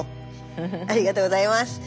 ありがとうございます。